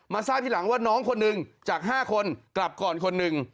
ทราบทีหลังว่าน้องคนหนึ่งจาก๕คนกลับก่อนคนหนึ่ง